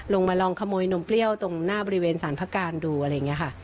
ลองขโมยนมเปรี้ยวตรงหน้าบริเวณสารพระการดูอะไรอย่างนี้ค่ะ